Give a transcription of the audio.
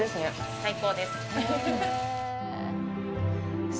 最高です。